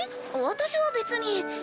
私は別に。